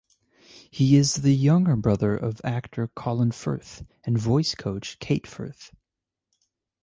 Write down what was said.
He is the younger brother of actor Colin Firth and voice coach Kate Firth.